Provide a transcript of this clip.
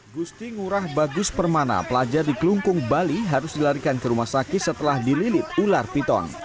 gusti ngurah bagus permana pelajar di kelungkung bali harus dilarikan ke rumah sakit setelah dililit ular piton